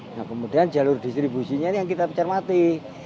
nah kemudian jalur distribusinya ini yang kita pecah mati